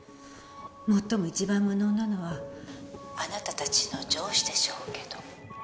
「もっとも一番無能なのはあなたたちの上司でしょうけど」